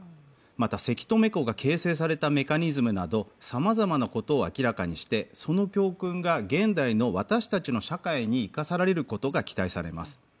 また、せき止め湖が形成されたメカニズムなどさまざまなことを明らかにしてその教訓が現代の私たちの社会に生かされることが期待されます。